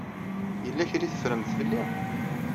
Yella kra ay teffremt fell-i?